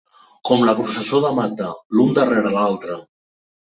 Com la processó de Mata: l'un darrere l'altre.